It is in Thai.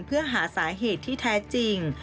เพื่อหาสาเหตุที่แท้จริง